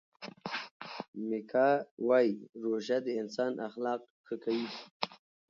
میکا وايي روژه د انسان اخلاق ښه کوي.